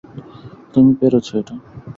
তুমি পেরেছো এটা।